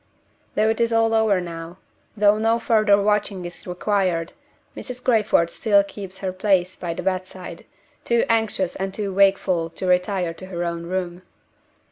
Though it is all over now, though no further watching is required, Mrs. Crayford still keeps her place by the bedside, too anxious and too wakeful to retire to her own room.